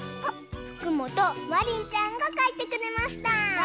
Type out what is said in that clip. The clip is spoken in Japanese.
ふくもとまりんちゃんがかいてくれました！